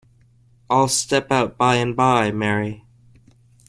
‘I’ll step out by and by, Mary.